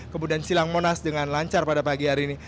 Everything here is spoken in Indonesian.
kemudian silang monas dengan lancar pada pagi hari ini